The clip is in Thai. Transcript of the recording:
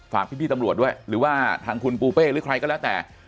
ฝากพี่ตำรวจด้วยหรือว่าทางคุณปูเป้หรือใครก็แล้วแต่